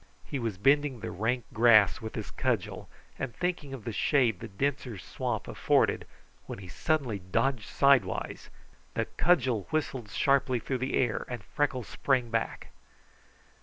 He was bending the rank grass with his cudgel, and thinking of the shade the denser swamp afforded, when he suddenly dodged sidewise; the cudgel whistled sharply through the air and Freckles sprang back.